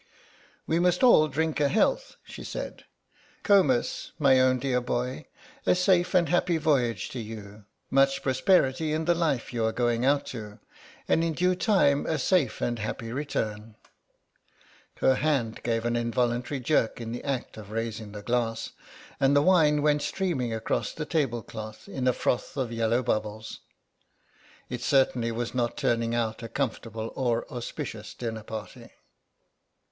"We must all drink a health," she said; "Comus, my own dear boy, a safe and happy voyage to you, much prosperity in the life you are going out to, and in due time a safe and happy return—" Her hand gave an involuntary jerk in the act of raising the glass, and the wine went streaming across the tablecloth in a froth of yellow bubbles. It certainly was not turning out a comfortable or auspicious dinner party.